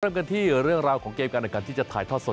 ร่วมกันที่เรื่องราวของเกมการอันการที่จะถ่ายทอดสด